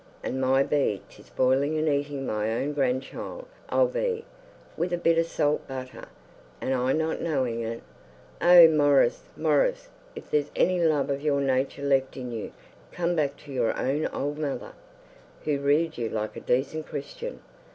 And my be 'tis boiling and eating my own grandchild I'll be, with a bit of salt butter, and I not knowing it! Oh, Maurice, Maurice, if there's any love or nature left in you, come back to your own ould mother, who reared you like a decent Christian!